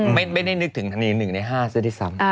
ไม่ได้นึกถึงทะเล๑ใน๕ซะด้วยซ้ำ